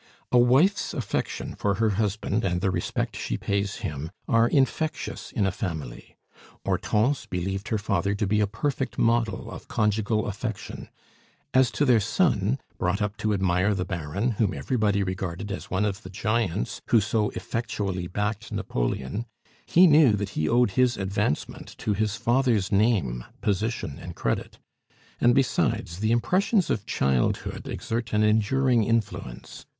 A wife's affection for her husband and the respect she pays him are infectious in a family. Hortense believed her father to be a perfect model of conjugal affection; as to their son, brought up to admire the Baron, whom everybody regarded as one of the giants who so effectually backed Napoleon, he knew that he owed his advancement to his father's name, position, and credit; and besides, the impressions of childhood exert an enduring influence.